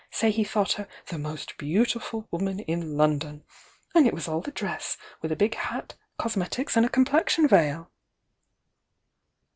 — say he thought her 'the most beautiful woman in London!' And it was all the dress, with a big hat, cosmetics and a complexion veil!"